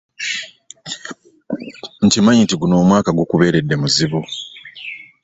Nkimanyi nti guno omwaka gukubeerede muzibu.